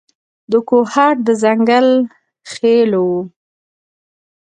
د کوهاټ د ځنګل خېلو و.